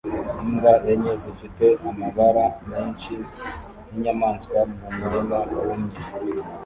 Imbwa enye zifite amabara menshi nk'inyamaswa mu murima wumye